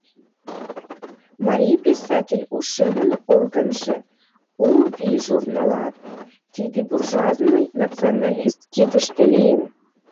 Марий писатель ушемын органже — «У вий» журналат — тиде буржуазный националист кидыште лийын.